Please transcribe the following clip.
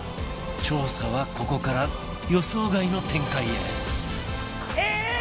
調査はここから予想外の展開へ！